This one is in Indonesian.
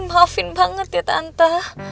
maafin banget ya tante